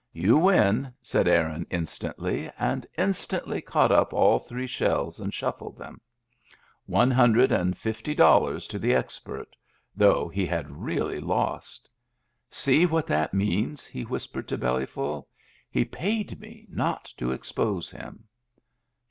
" You win," said Aaron instantly, and instantly caught up all three shells and shuffled them. One hundred and fifty dollars to the expert, though he had really lost! "See what that means? he whispered to Bellyful. "He paid me not to expose him."